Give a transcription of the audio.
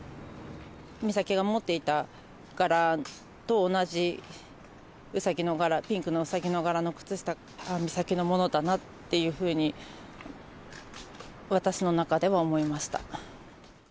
美咲が持っていた柄と同じウサギの柄、ピンクのウサギの柄の靴下、ああ、美咲のものだなっていうふうに、私の中では思いました。